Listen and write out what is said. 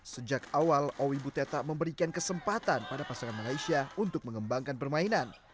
sejak awal owi butet tak memberikan kesempatan pada pasangan malaysia untuk mengembangkan permainan